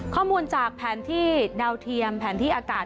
ข้อมูลจากแผนที่ดาวเทียมแผนที่อากาศ